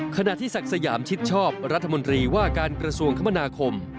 ขณะที่ศักดิ์สยามชิดชอบรัฐมนตรีว่าการกระทรวงคมนาคม